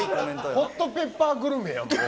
ホットペッパーグルメやん。